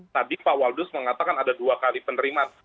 tadi pak waldus mengatakan ada dua kali penerimaan